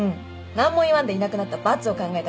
何も言わんでいなくなった罰を考えたから。